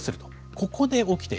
ここで起きている。